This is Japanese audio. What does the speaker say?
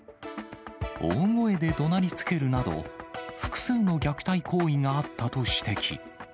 大声でどなりつけるなど、複数の虐待行為があったと指摘。